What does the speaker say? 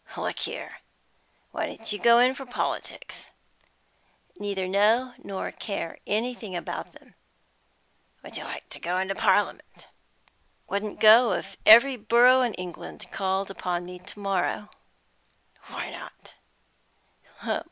"Look here. Why don't you go in for politics?" "Neither know nor care anything about them." "Would you like to go into Parliament?" "Wouldn't go if every borough in England called upon me to morrow!" "Why not?"